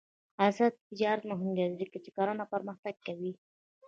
آزاد تجارت مهم دی ځکه چې کرنه پرمختګ کوي.